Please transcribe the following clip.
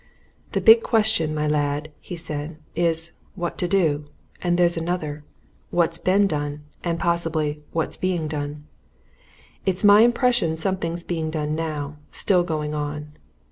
"The big question, my lad," he said, "is what to do? And there's another what's been done and possibly, what's being done? It's my impression something's being done now still going on!"